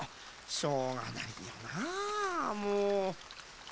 しょうがないよなあもう。